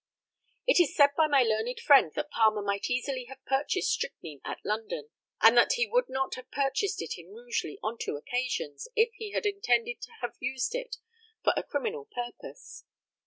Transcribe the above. It is said by my learned friend that Palmer might easily have purchased strychnine at London, and that he would not have purchased it in Rugeley on two occasions, if he had intended to have used it for a criminal purpose.